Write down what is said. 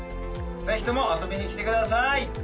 ぜひとも遊びに来てください